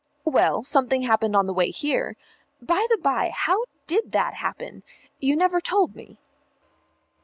"Well, something happened on the way here. By the by, how did that happen? You never told me."